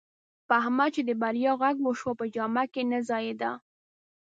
په احمد چې د بریا غږ وشو، په جامو کې نه ځایېدا.